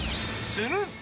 すると！